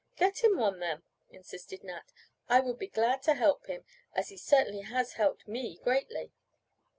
"Get him one, then," insisted Nat. "I would be glad to help him, as he certainly has helped me greatly.